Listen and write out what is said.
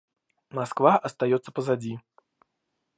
Москва остается позади.